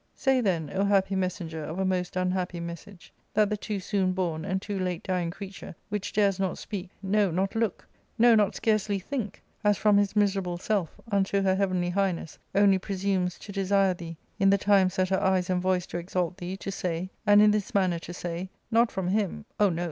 Say, then, O happy messenger of a most unhappy message, that the too soon born and too late dying creature, which dares not speak — no, not look — ^no, not scarcely think, as from his miserable self, unto her heavenly highness, only presumes to desire thee, in the times that her eyes and voice do exalt thee, to say, and in this manner to say, not from him — oh, no